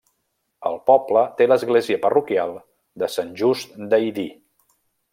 El poble té l'església parroquial de Sant Just d'Aidí.